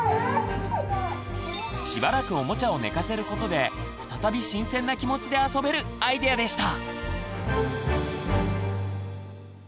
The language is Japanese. しばらくおもちゃを寝かせることで再び新鮮な気持ちで遊べるアイデアでした！